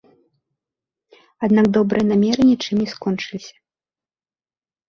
Аднак добрыя намеры нічым не скончыліся.